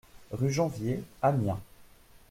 Rue Janvier, Amiens